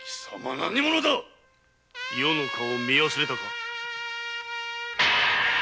何者だ余の顔を見忘れたか。